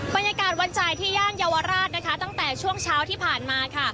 บรรยากาศวันจ่ายที่ย่านเยาวราชนะคะตั้งแต่ช่วงเช้าที่ผ่านมาค่ะ